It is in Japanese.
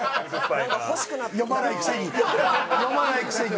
読まないくせに！